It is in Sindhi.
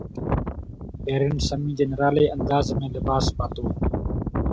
ڊيرن سيمي جي نرالي انداز ۾ لباس پاتو